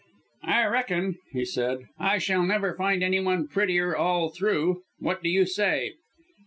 "I reckon," he said, "I shall never find any one prettier all through. What do you say?"